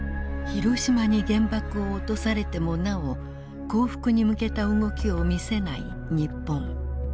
広島に原爆を落とされてもなお降伏に向けた動きを見せない日本。